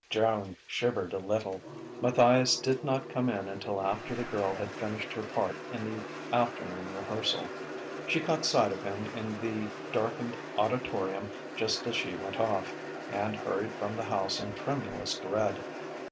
Joan shivered a little. Matthias did not come in until after the girl had finished her part in the afternoon rehearsal. She caught sight of him in the darkened auditorium just as she went off; and hurried from the house in tremulous dread.